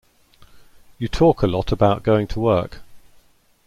You talk a lot about going to work.